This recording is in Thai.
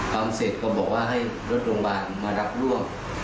ทำเสร็จก็บอกว่าให้รถโรงพยาบาลมารับรวบ